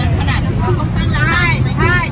ตรงนี้ตอบน้ำกล้องแล้วมันแห้งใช่ไหม